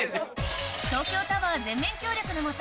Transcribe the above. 東京タワー全面協力のもと